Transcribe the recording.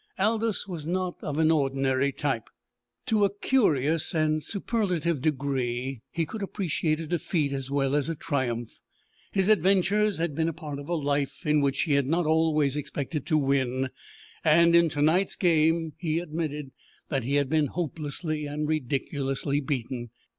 Aldous was not of an ordinary type. To a curious and superlative degree he could appreciate a defeat as well as a triumph. His adventures had been a part of a life in which he had not always expected to win, and in to night's game he admitted that he had been hopelessly and ridiculously beaten.